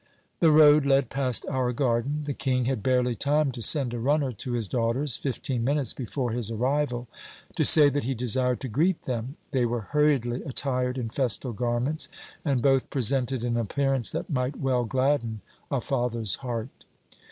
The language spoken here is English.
"The road led past our garden. "The King had barely time to send a runner to his daughters, fifteen minutes before his arrival, to say that he desired to greet them. They were hurriedly attired in festal garments, and both presented an appearance that might well gladden a father's heart.